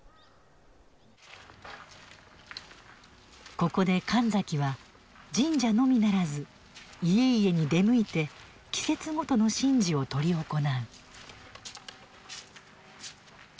ここで神崎は神社のみならず家々に出向いて季節ごとの神事を執り行う。